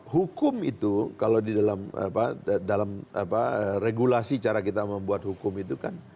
hukum itu kalau di dalam regulasi cara kita membuat hukum itu kan